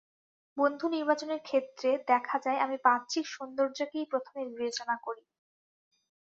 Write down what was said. বন্ধু নির্বাচনের ক্ষেত্রে দেখা যায়, আমি বাহ্যিক সৌন্দর্যকেই প্রথমে বিবেচনা করি।